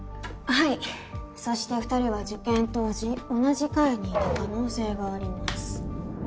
はいそして２人は事件当時同じ階にいた可能性があります。